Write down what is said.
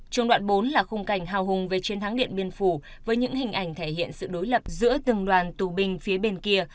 trung đoạn bốn là khung cảnh hào hùng về chiến thắng điện biên phủ với những hình ảnh thể hiện sự đối lập giữa từng đoàn tù binh phía bên kia